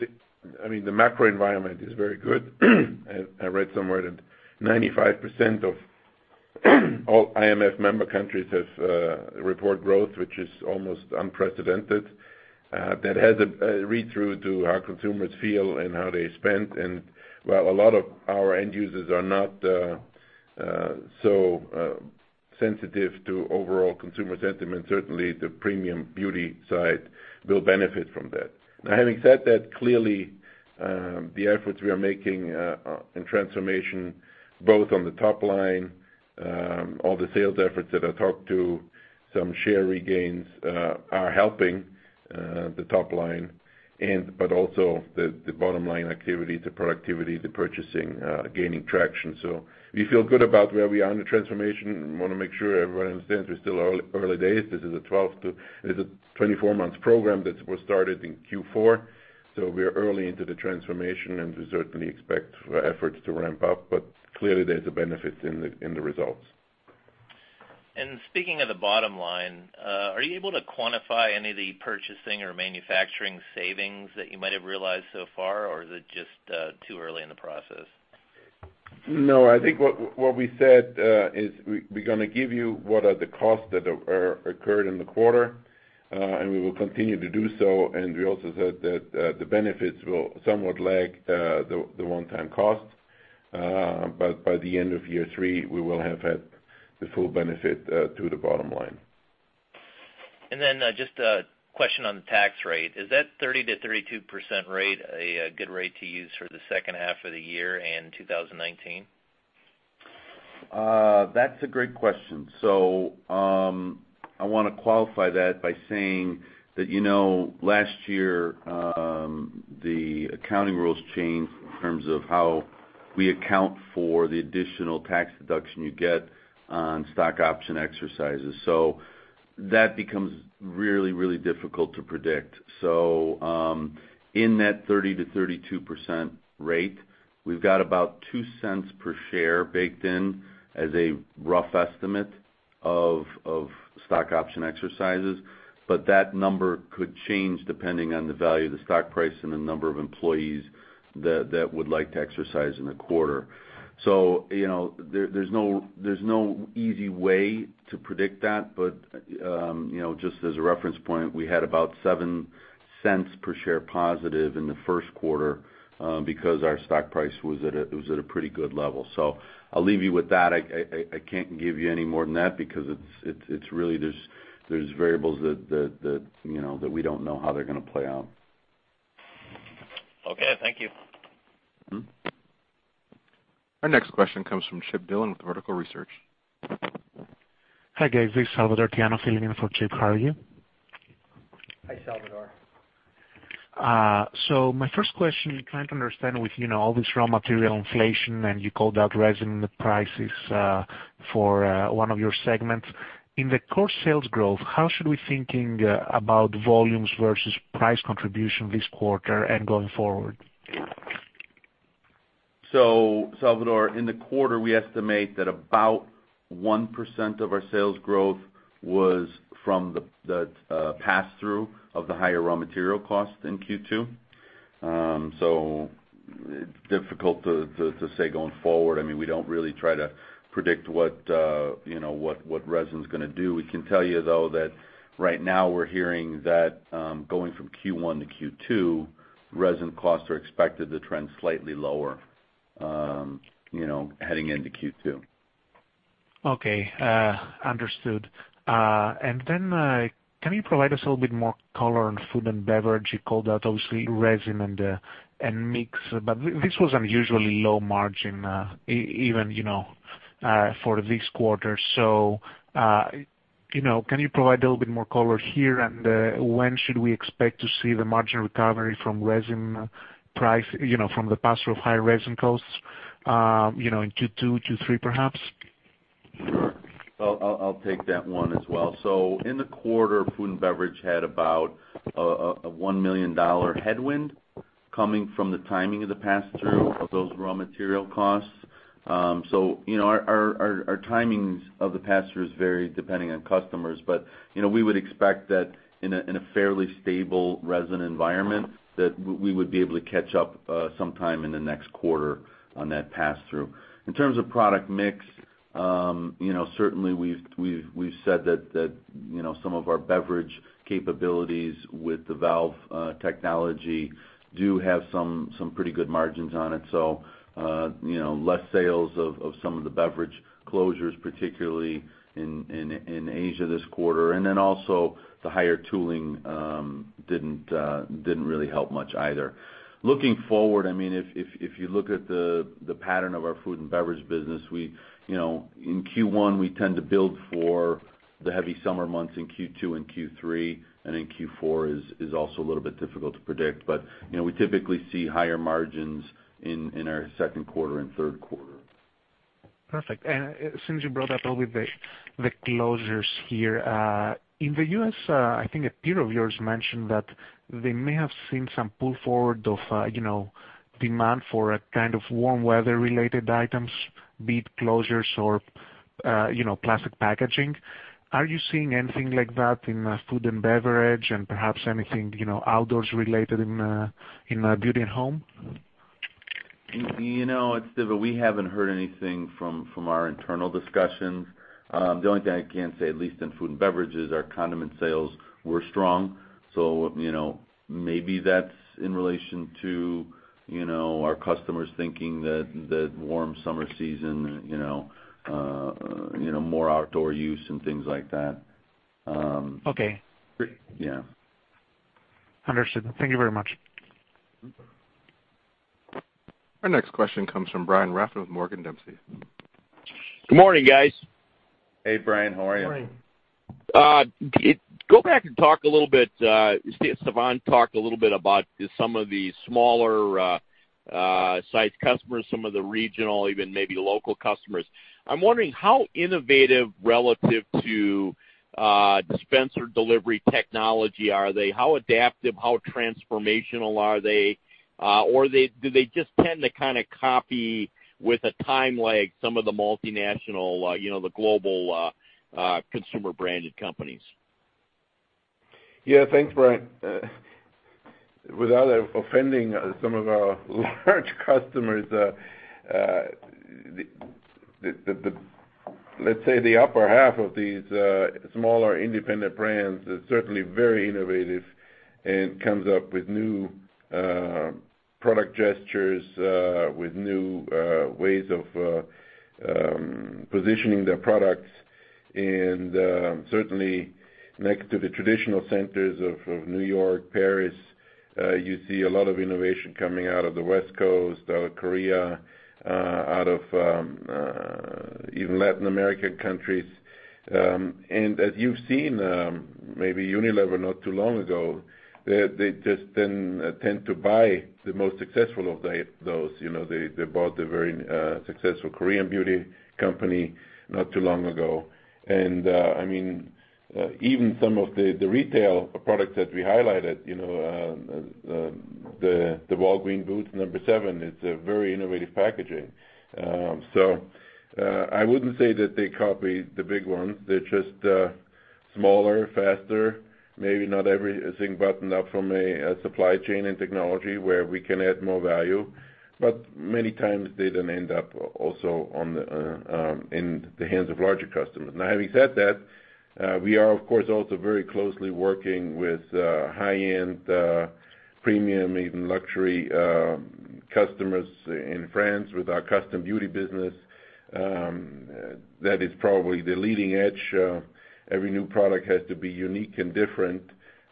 the macro environment is very good. I read somewhere that 95% of all IMF member countries report growth, which is almost unprecedented. That has a read-through to how consumers feel and how they spend. While a lot of our end users are not so sensitive to overall consumer sentiment, certainly the premium beauty side will benefit from that. Having said that, clearly, the efforts we are making in transformation, both on the top line, all the sales efforts that I talked to, some share regains are helping the top line. Also the bottom line activity, the productivity, the purchasing gaining traction. We feel good about where we are in the transformation. We want to make sure everyone understands we're still early days. This is a 24-month program that was started in Q4. We are early into the transformation, and we certainly expect efforts to ramp up. Clearly, there's a benefit in the results. Speaking of the bottom line, are you able to quantify any of the purchasing or manufacturing savings that you might have realized so far, or is it just too early in the process? I think what we said is we are going to give you what are the costs that occurred in the quarter, and we will continue to do so. We also said that the benefits will somewhat lag the one-time cost. By the end of year three, we will have had the full benefit to the bottom line. Just a question on the tax rate. Is that 30%-32% rate a good rate to use for the second half of the year and 2019? That's a great question. I want to qualify that by saying that last year, the accounting rules changed in terms of how we account for the additional tax deduction you get on stock option exercises. That becomes really, really difficult to predict. In that 30%-32% rate, we've got about $0.02 per share baked in as a rough estimate of stock option exercises. That number could change depending on the value of the stock price and the number of employees that would like to exercise in a quarter. There's no easy way to predict that. Just as a reference point, we had about $0.07 per share positive in the first quarter because our stock price was at a pretty good level. I'll leave you with that. I can't give you any more than that because there's variables that we don't know how they're going to play out. Okay. Thank you. Our next question comes from Chip Dillon with Vertical Research. Hi, guys. This is Salvatore Tiano filling in for Chip. How are you? Hi, Salvatore. My first question, trying to understand with all this raw material inflation, and you called out resin prices for one of your segments. In the core sales growth, how should we thinking about volumes versus price contribution this quarter and going forward? Salvatore, in the quarter, we estimate that about 1% of our sales growth was from the pass-through of the higher raw material cost in Q2. It's difficult to say going forward. We don't really try to predict what resin's going to do. We can tell you, though, that right now we're hearing that going from Q1 to Q2, resin costs are expected to trend slightly lower, heading into Q2. Okay. Understood. Can you provide us a little bit more color on food and beverage? You called out obviously resin and mix, but this was unusually low margin even for this quarter. Can you provide a little bit more color here? When should we expect to see the margin recovery from the pass-through of high resin costs, in Q2, Q3 perhaps? I'll take that one as well. In the quarter, food and beverage had about a $1 million headwind coming from the timing of the pass-through of those raw material costs. Our timings of the pass-throughs vary depending on customers. We would expect that in a fairly stable resin environment, that we would be able to catch up sometime in the next quarter on that pass-through. In terms of product mix, certainly we've said that some of our beverage capabilities with the valve technology do have some pretty good margins on it. Less sales of some of the beverage closures, particularly in Asia this quarter. Also the higher tooling didn't really help much either. Looking forward, if you look at the pattern of our food and beverage business, in Q1 we tend to build for the heavy summer months in Q2 and Q3. Q4 is also a little bit difficult to predict. We typically see higher margins in our second quarter and third quarter. Perfect. Since you brought up all the closures here, in the U.S., I think a peer of yours mentioned that they may have seen some pull forward of demand for a kind of warm weather related items, be it closures or plastic packaging. Are you seeing anything like that in food and beverage and perhaps anything outdoors related in Beauty + Home? It's Stephan. We haven't heard anything from our internal discussions. The only thing I can say, at least in food and beverage, is our condiment sales were strong. Maybe that's in relation to our customers thinking that warm summer season, more outdoor use and things like that. Okay. Yeah. Understood. Thank you very much. Our next question comes from Brian Raff with Morgan Dempsey. Good morning, guys. Hey, Brian, how are you? Morning. Go back and talk a little bit. Stephan talked a little bit about some of the smaller sized customers, some of the regional, even maybe local customers. I'm wondering how innovative relative to dispenser delivery technology are they? How adaptive, how transformational are they? Or do they just tend to kind of copy with a time lag some of the multinational, the global consumer branded companies? Yeah. Thanks, Brian. Without offending some of our large customers, let's say the upper half of these smaller independent brands is certainly very innovative and comes up with new product gestures, with new ways of positioning their products. Certainly next to the traditional centers of New York, Paris, you see a lot of innovation coming out of the West Coast, out of Korea, out of even Latin American countries. As you've seen, maybe Unilever not too long ago, they just then tend to buy the most successful of those. They bought the very successful Korean beauty company not too long ago. Even some of the retail products that we highlighted, the Walgreens Boots No7 is a very innovative packaging. I wouldn't say that they copy the big ones. They're just smaller, faster, maybe not everything buttoned up from a supply chain and technology where we can add more value. Many times they then end up also in the hands of larger customers. Having said that, we are of course also very closely working with high-end premium, even luxury customers in France with our custom beauty business. That is probably the leading edge. Every new product has to be unique and different.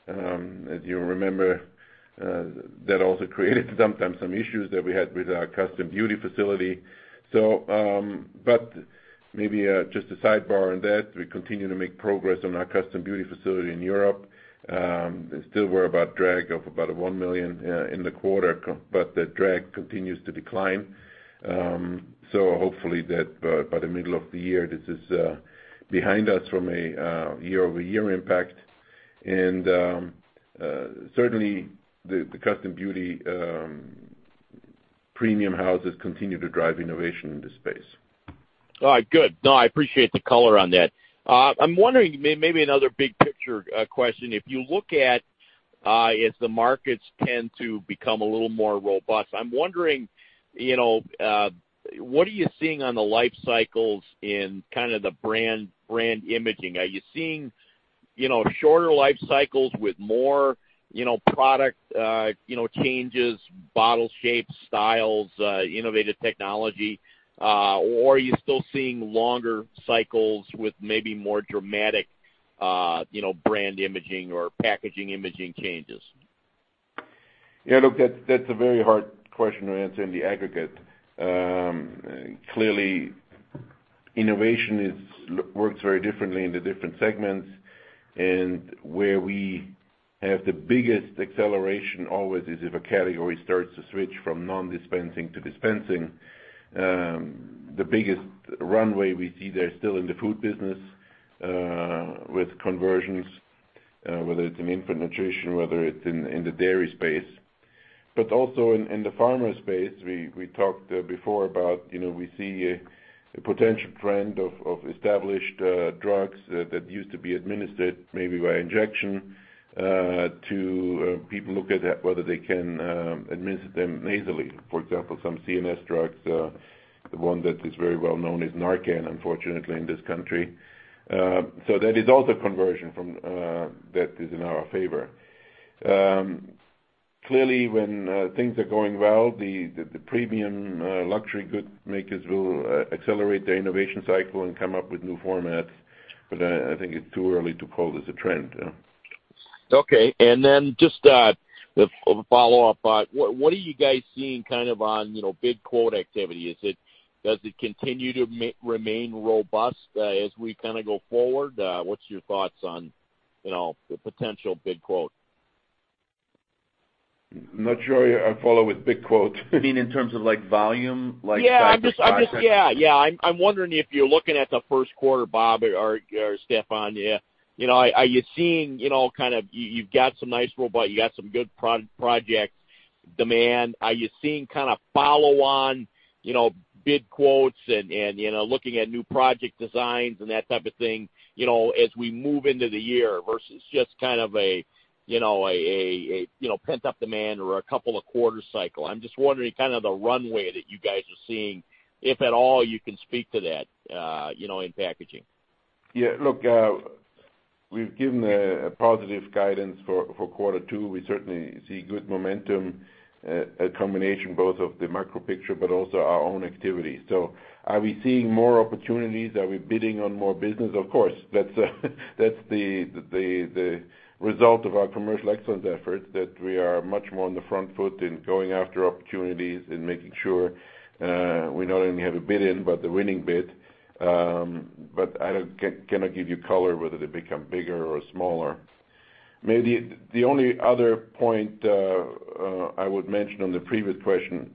As you remember, that also created sometimes some issues that we had with our custom beauty facility. Maybe just a sidebar on that, we continue to make progress on our custom beauty facility in Europe. Still worry about drag of about $1 million in the quarter, but the drag continues to decline. Hopefully by the middle of the year, this is behind us from a year-over-year impact. Certainly the custom beauty premium houses continue to drive innovation in the space. All right, good. No, I appreciate the color on that. I'm wondering, maybe another big picture question. As the markets tend to become a little more robust, I'm wondering, what are you seeing on the life cycles in the brand imaging? Are you seeing shorter life cycles with more product changes, bottle shapes, styles, innovative technology? Or are you still seeing longer cycles with maybe more dramatic brand imaging or packaging imaging changes? Yeah, look, that's a very hard question to answer in the aggregate. Clearly, innovation works very differently in the different segments. Where we have the biggest acceleration always is if a category starts to switch from non-dispensing to dispensing. The biggest runway we see there is still in the food business with conversions, whether it's in infant nutrition, whether it's in the dairy space. Also in the pharma space, we talked before about, we see a potential trend of established drugs that used to be administered maybe by injection to people look at whether they can administer them nasally. For example, some CNS drugs. The one that is very well known is NARCAN, unfortunately, in this country. That is also a conversion that is in our favor. Clearly, when things are going well, the premium luxury good makers will accelerate their innovation cycle and come up with new formats. I think it's too early to call this a trend. Okay. Just a follow-up. What are you guys seeing on big quote activity? Does it continue to remain robust as we go forward? What's your thoughts on the potential big quote? I'm not sure I follow with big quote. You mean in terms of volume, like size? Yeah. I'm wondering if you're looking at the first quarter, Bob or Stephan. Are you seeing you've got some nice robust, you got some good project demand. Are you seeing follow-on big quotes and looking at new project designs and that type of thing as we move into the year versus just a pent-up demand or a couple of quarter cycle? I'm just wondering the runway that you guys are seeing, if at all you can speak to that in packaging. Yeah, look, we've given a positive guidance for quarter two. We certainly see good momentum, a combination both of the macro picture, but also our own activity. Are we seeing more opportunities? Are we bidding on more business? Of course, that's the result of our commercial excellence efforts, that we are much more on the front foot in going after opportunities and making sure we not only have a bid in, but the winning bid. I cannot give you color whether they become bigger or smaller. Maybe the only other point I would mention on the previous question,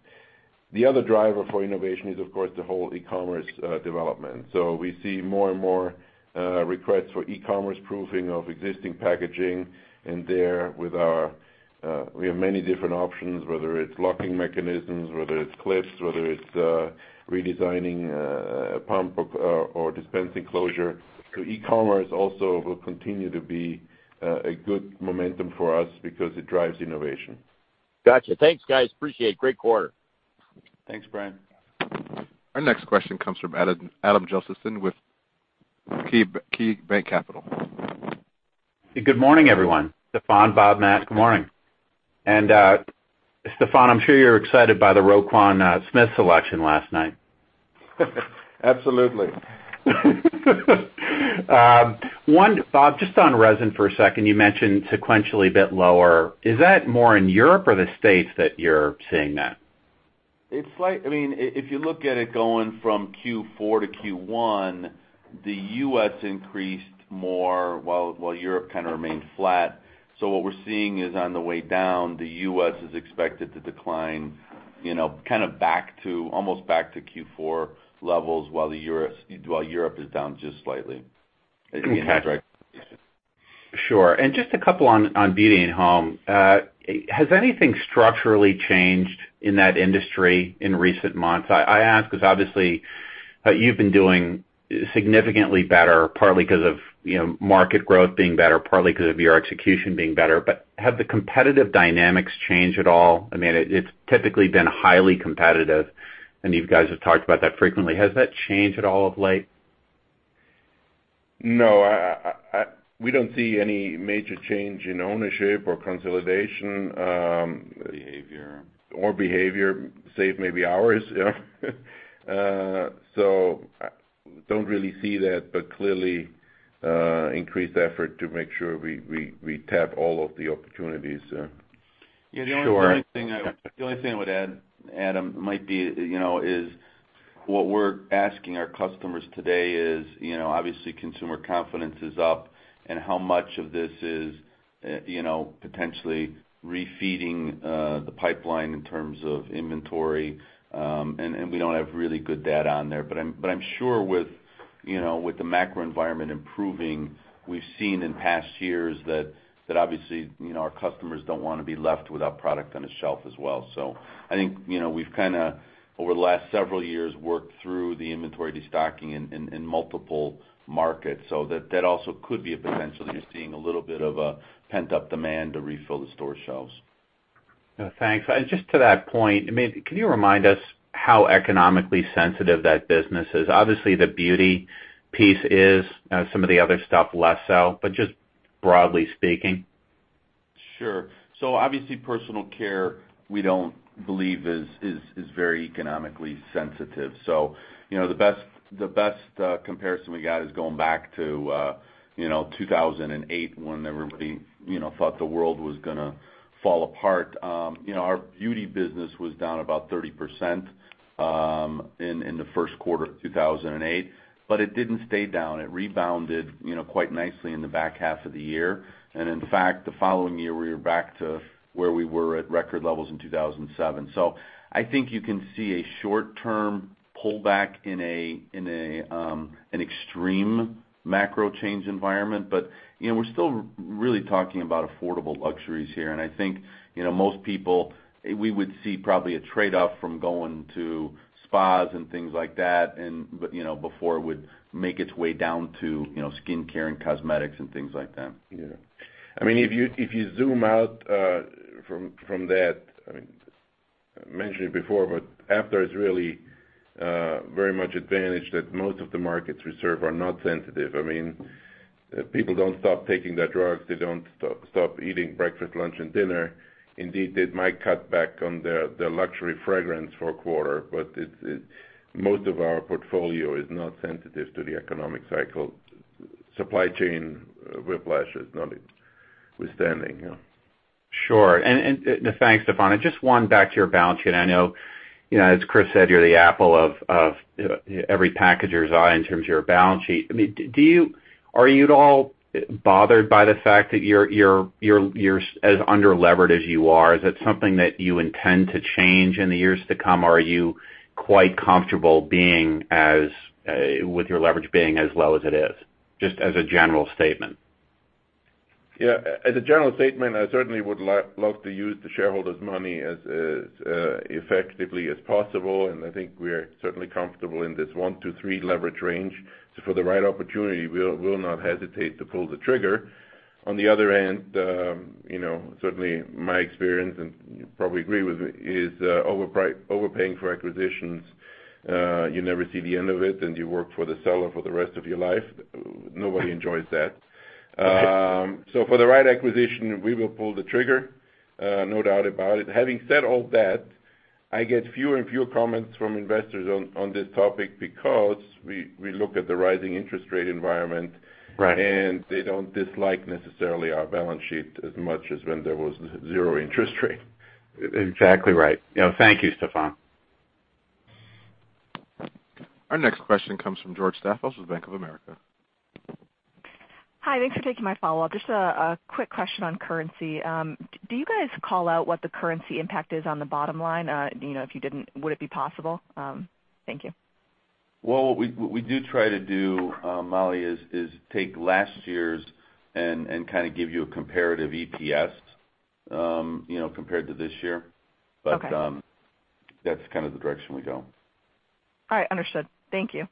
the other driver for innovation is, of course, the whole e-commerce development. We see more and more requests for e-commerce proofing of existing packaging in there. We have many different options, whether it's locking mechanisms, whether it's clips, whether it's redesigning a pump or dispensing closure. E-commerce also will continue to be a good momentum for us because it drives innovation. Got you. Thanks, guys, appreciate it. Great quarter. Thanks, Brian. Our next question comes from Adam Josephson with KeyBanc Capital. Good morning, everyone. Stephan, Bob, Matt, good morning. Stephan, I'm sure you're excited by the Roquan Smith selection last night. Absolutely. Bob, just on resin for a second, you mentioned sequentially a bit lower. Is that more in Europe or the U.S. that you're seeing that? If you look at it going from Q4 to Q1, the U.S. increased more while Europe kind of remained flat. What we're seeing is on the way down, the U.S. is expected to decline almost back to Q4 levels while Europe is down just slightly. Okay. As you know, the direction. Sure. Just a couple on Beauty + Home. Has anything structurally changed in that industry in recent months? I ask because obviously you've been doing significantly better, partly because of market growth being better, partly because of your execution being better. Have the competitive dynamics changed at all? It's typically been highly competitive, and you guys have talked about that frequently. Has that changed at all of late? No, we don't see any major change in ownership or consolidation. Behavior or behavior, save maybe ours. Don't really see that, but clearly increased effort to make sure we tap all of the opportunities. Sure. The only thing I would add, Adam, might be, is what we're asking our customers today is, obviously consumer confidence is up and how much of this is potentially refeeding the pipeline in terms of inventory. We don't have really good data on there. I'm sure with the macro environment improving, we've seen in past years that obviously our customers don't want to be left without product on a shelf as well. I think we've kind of, over the last several years, worked through the inventory destocking in multiple markets. That also could be a potential that you're seeing a little bit of a pent-up demand to refill the store shelves. Thanks. Just to that point, can you remind us how economically sensitive that business is? Obviously, the Beauty piece is, some of the other stuff less so, but just broadly speaking. Sure. Obviously, personal care, we don't believe is very economically sensitive. The best comparison we got is going back to 2008 when everybody thought the world was going to fall apart. Our Beauty business was down about 30% in the first quarter of 2008, but it didn't stay down. It rebounded quite nicely in the back half of the year. In fact, the following year, we were back to where we were at record levels in 2007. I think you can see a short-term pullback in an extreme macro change environment. We're still really talking about affordable luxuries here. I think most people, we would see probably a trade-off from going to spas and things like that before it would make its way down to skin care and cosmetics and things like that. Yeah. If you zoom out from that, I mentioned it before. Aptar is really very much advantaged that most of the markets we serve are not sensitive. People don't stop taking their drugs. They don't stop eating breakfast, lunch, and dinner. Indeed, they might cut back on their luxury fragrance for a quarter. Most of our portfolio is not sensitive to the economic cycle. Supply chain whiplash is not withstanding. Sure. Thanks, Stephan. Just one back to your balance sheet. I know, as Christopher said, you're the apple of every packager's eye in terms of your balance sheet. Are you at all bothered by the fact that you're as under-levered as you are? Is it something that you intend to change in the years to come, or are you quite comfortable with your leverage being as low as it is, just as a general statement? Yeah. As a general statement, I certainly would love to use the shareholders' money as effectively as possible. I think we're certainly comfortable in this one to three leverage range. For the right opportunity, we will not hesitate to pull the trigger. On the other end, certainly my experience, you probably agree with me, is overpaying for acquisitions, you never see the end of it, and you work for the seller for the rest of your life. Nobody enjoys that. For the right acquisition, we will pull the trigger, no doubt about it. Having said all that, I get fewer and fewer comments from investors on this topic because we look at the rising interest rate environment. Right They don't dislike necessarily our balance sheet as much as when there was zero interest rate. Exactly right. Thank you, Stephan. Our next question comes from George Staphos with Bank of America. Hi, thanks for taking my follow-up. Just a quick question on currency. Do you guys call out what the currency impact is on the bottom line? If you didn't, would it be possible? Thank you. Well, what we do try to do, Molly, is take last year's and kind of give you a comparative EPS, compared to this year. Okay. That's kind of the direction we go. All right, understood. Thank you.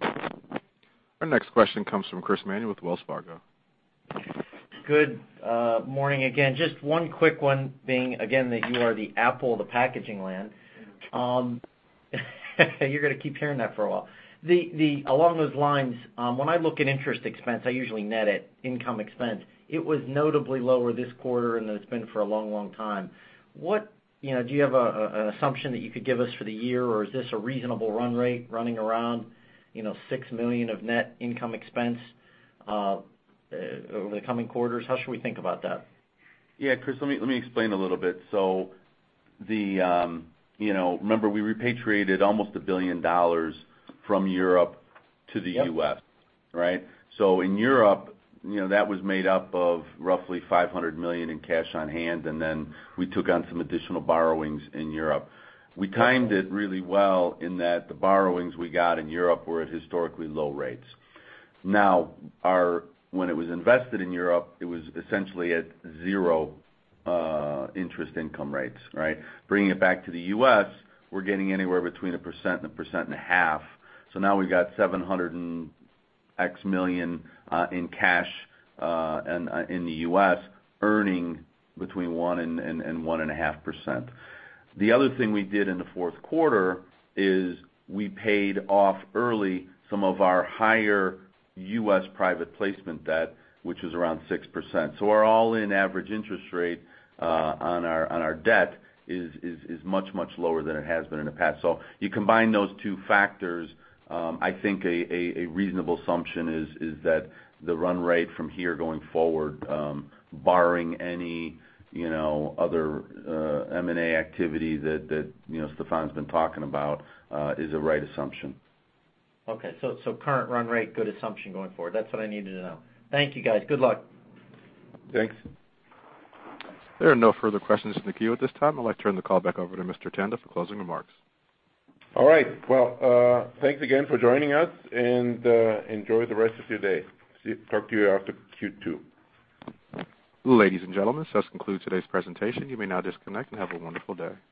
Our next question comes from Christopher Manuel with Wells Fargo. Good morning again. Just one quick one being, again, that you are the apple of the packaging land. You are going to keep hearing that for a while. Along those lines, when I look at interest expense, I usually net interest expense. It was notably lower this quarter than it has been for a long time. Do you have an assumption that you could give us for the year, or is this a reasonable run rate running around $6 million of net interest expense over the coming quarters? How should we think about that? Yeah, Chris, let me explain a little bit. Remember, we repatriated almost $1 billion from Europe to the U.S. Yep. Right? In Europe, that was made up of roughly $500 million in cash on hand, and then we took on some additional borrowings in Europe. We timed it really well in that the borrowings we got in Europe were at historically low rates. Now, when it was invested in Europe, it was essentially at zero interest income rates, right? Bringing it back to the U.S., we're getting anywhere between 1% and 1.5%. Now we've got $700 and X million in cash in the U.S., earning between 1% and 1.5%. The other thing we did in the fourth quarter is we paid off early some of our higher U.S. private placement debt, which is around 6%. Our all-in average interest rate on our debt is much lower than it has been in the past. You combine those two factors, I think a reasonable assumption is that the run rate from here going forward, barring any other M&A activity that Stephan's been talking about, is a right assumption. Okay. Current run rate, good assumption going forward. That's what I needed to know. Thank you, guys. Good luck. Thanks. There are no further questions in the queue at this time. I'd like to turn the call back over to Mr. Tanda for closing remarks. All right. Well, thanks again for joining us, and enjoy the rest of your day. Talk to you after Q2. Ladies and gentlemen, this concludes today's presentation. You may now disconnect, and have a wonderful day.